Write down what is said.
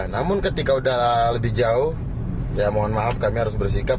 namun ketika sudah lebih jauh ya mohon maaf kami harus bersikap